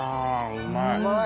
うまい！